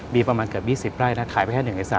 มีประมาณเกิน๒๐ไร่นะครับขายไปแค่๑๓